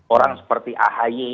orang seperti ahy